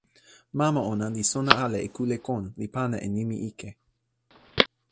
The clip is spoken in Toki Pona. mama ona li sona ala e kule kon, li pana e nimi ike.